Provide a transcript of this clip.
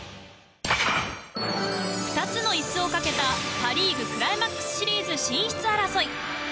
２つの椅子をかけたパ・リーグクライマックスシリーズ進出争い。